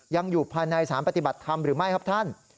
ยังอยู่ภายในสารปฏิบัติธรรมหรือไม่ครับท่าน